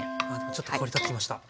ちょっと香り立ってきました。